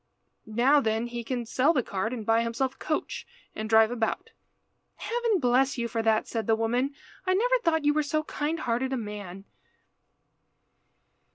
Now then he can sell the cart, and buy himself a coach, and drive about." "Heaven bless you for that," said the woman. "I never thought you were so kind hearted a man."